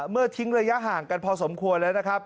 ทิ้งระยะห่างกันพอสมควรแล้วนะครับ